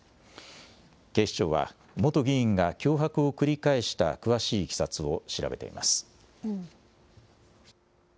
警視庁は、元議員が脅迫を繰り返した詳しいいきさつを調べています。